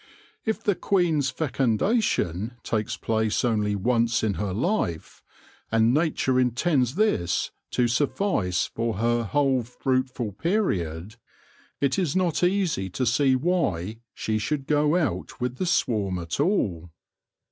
If the queen's fecundation takes place only once in her life, and nature intends this to suffice for her whole fruit ful period, it is not easy to see why she should go out with the swarm at all.